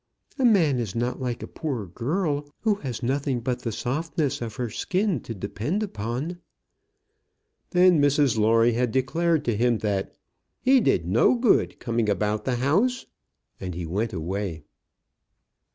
"A man is not like a poor girl, who has nothing but the softness of her skin to depend upon." Then Mrs Lawrie had declared to him that "he did no good coming about the house," and he went away.